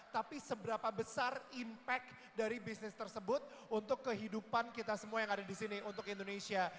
tapi seberapa besar impact dari bisnis tersebut untuk kehidupan kita semua yang ada di sini untuk indonesia